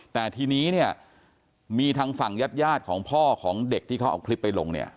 แต่ทีนี้เนี่ยมีทางฝั่งญาติของพ่อของเด็กที่เขาเอาคลิปไปลงเนี่ย